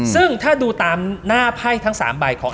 ซึ่งถ้าดูตามหน้าไพ่ทั้ง๓ใบของ